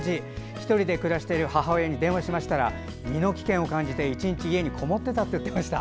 １人で暮らしている母親に電話しましたら身の危険を感じて１日家にこもってたと言っていました。